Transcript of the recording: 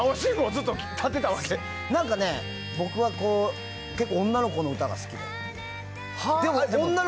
何かね、僕は結構、女の子の歌が好きなの。